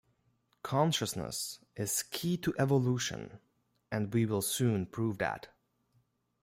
Consciousness is key to evolution and we will soon prove that.